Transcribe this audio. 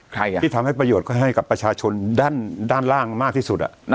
ใครอ่ะที่ทำให้ประโยชน์ก็ให้กับประชาชนด้านด้านล่างมากที่สุดอ่ะ